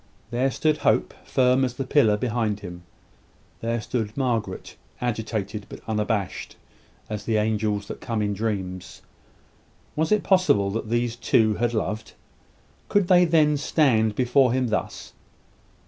There stood Hope, firm as the pillar behind him. There stood Margaret, agitated, but unabashed as the angels that come in dreams. Was it possible that these two had loved? Could they then stand before him thus?